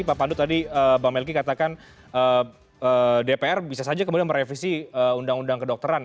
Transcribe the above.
pak pandu tadi bang melki katakan dpr bisa saja kemudian merevisi undang undang kedokteran